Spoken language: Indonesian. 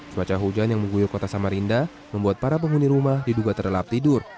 cuaca hujan yang mengguyur kota samarinda membuat para penghuni rumah diduga terlelap tidur